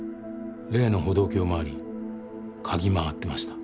例の歩道橋周りかぎ回ってました。